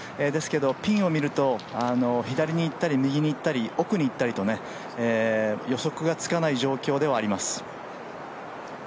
ですけど、ピンを見ると左に行ったり右に行ったり奥に行ったりと予測がつかない状況ではあります。